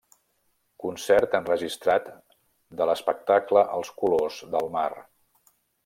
Concert enregistrat de l’espectacle Els Colors del Mar.